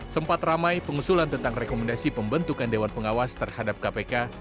sempat ramai pengusulan tentang rekomendasi pembentukan dewan pengawas terhadap kpk